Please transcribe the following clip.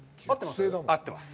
合ってます？